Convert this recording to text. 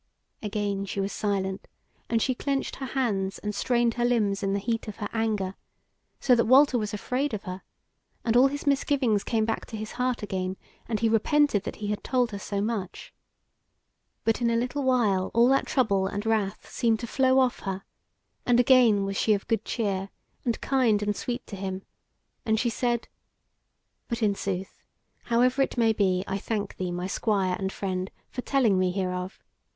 Again she was silent, and she clenched her hands and strained her limbs in the heat of her anger; so that Walter was afraid of her, and all his misgivings came back to his heart again, and he repented that he had told her so much. But in a little while all that trouble and wrath seemed to flow off her, and again was she of good cheer, and kind and sweet to him and she said: "But in sooth, however it may be, I thank thee, my Squire and friend, for telling me hereof.